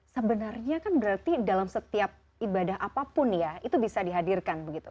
sebenarnya kan berarti dalam setiap ibadah apapun ya itu bisa dihadirkan begitu